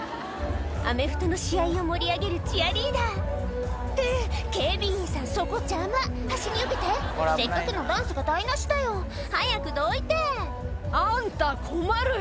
アメフトの試合を盛り上げるチアリーダーって警備員さんそこ邪魔端によけてせっかくのダンスが台無しだよ早くどいて「あんた困るよ！